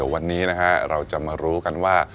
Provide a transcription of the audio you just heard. วันนี้เราก็จะมารู้กันว่า